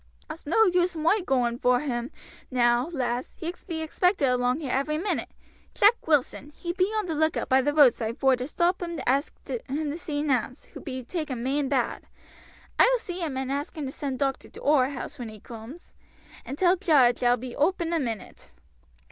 "It's no use moi goaing voor him now, lass, he be expected along here every minute. Jack Wilson, he be on the lookout by the roadside vor to stop him to ask him to see Nance, who be taken main bad. I will see him and ask him to send doctor to oor house when he comes, and tell Jarge I will be oop in a minute."